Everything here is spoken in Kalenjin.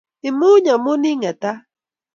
Imuuny amu iing'etat.